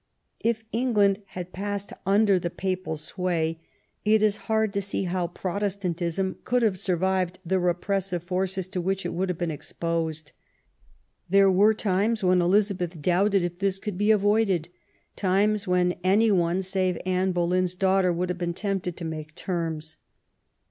If England had passed under the Papal sway it is hard to see how Protestantism could have survived the repressive forces to which it would have been exposed. There were times when Elizabeth doubted if this could be avoided, times when any one, save Anne Boleyn's daughter, would have been tempted to make terms.